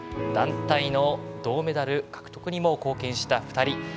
団体の銅メダル獲得にも貢献した２人。